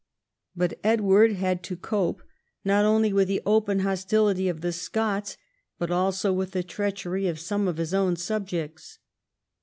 But Edward had to cope not only Avith the open hostility of the Scots, but also with the treachery of some of his own subjects.